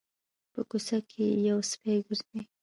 په کوڅه کې یو سپی ګرځي